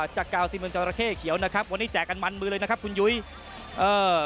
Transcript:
จากกาวซีเมืองจอราเข้เขียวนะครับวันนี้แจกกันมันมือเลยนะครับคุณยุ้ยเอ่อ